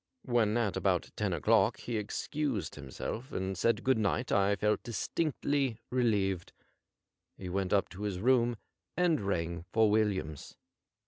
When at about ten o'clock he excused himself and said good night I felt distinctly relieved. He went up to his room and rang for Williams.